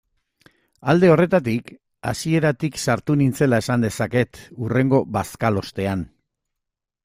Alde horretatik, hasieratik sartu nintzela esan dezaket hurrengo bazkalostean.